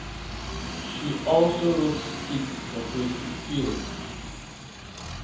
She also wrote skits for Gracie Fields.